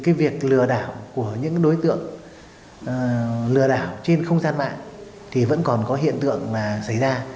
cái việc lừa đảo của những đối tượng lừa đảo trên không gian mạng thì vẫn còn có hiện tượng xảy ra